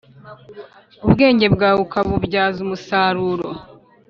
ubwenge bwawe ukabubyaza umusaruro.